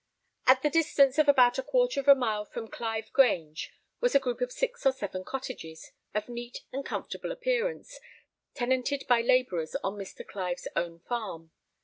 At the distance of about a quarter of a mile from Clive Grange was a group of six or seven cottages, of neat and comfortable appearance, tenanted by labourers on Mr. Clive's own farm.